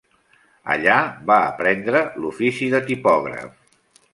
Allà va aprendre l'ofici de tipògraf.